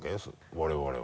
我々は。